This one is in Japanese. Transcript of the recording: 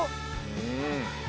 うん。